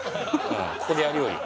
うんここでやるより。